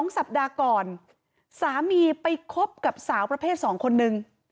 สัปดาห์ก่อนสามีไปคบกับสาวประเภท๒คนนึง